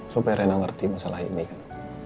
supaya rela ngerti masalah ini kan